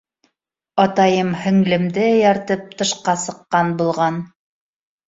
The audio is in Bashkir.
Атайым һеңлемде эйәртеп тышҡа сыҡҡан булған.